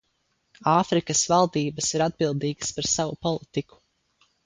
Āfrikas valdības ir atbildīgas par savu politiku.